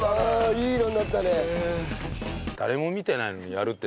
いい色になったね。